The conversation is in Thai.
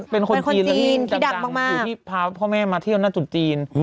เป็นคนจีนจีนที่ดังมากอยู่ที่พาพ่อแม่มาเที่ยวหน้าจุดจีน